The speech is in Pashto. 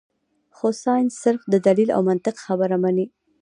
خو سائنس صرف د دليل او منطق خبره مني -